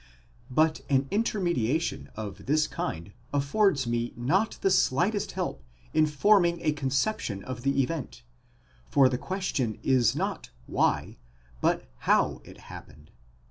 But an intermedia tion of this kind affords me not the slightest help in forming a conception of the event ; for the question is not why, but ow it happened.